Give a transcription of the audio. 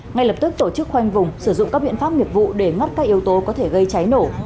ngay lập tức tổ chức khoanh vùng sử dụng các biện pháp nghiệp vụ để mắt các yếu tố có thể gây cháy nổ